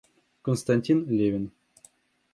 Константин Левин.